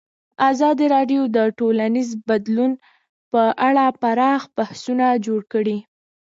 ازادي راډیو د ټولنیز بدلون په اړه پراخ بحثونه جوړ کړي.